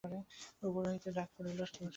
উপর হইতে ডাক পড়িল, তুলসী!